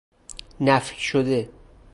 نفی شده